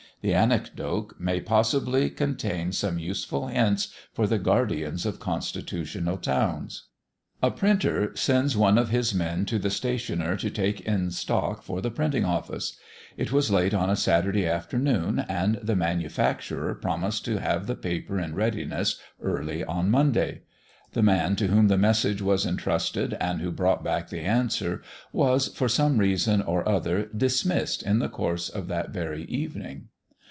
The anecdote may possibly contain some useful hints for the guardians of constitutional towns. A printer sends one of his men to the stationer to take in stock for the printing office. It was late on a Saturday afternoon, and the manufacturer promised to have the paper in readiness early on Monday. The man to whom the message was entrusted and who brought back the answer, was, for some reason or other, dismissed in the course of that very evening.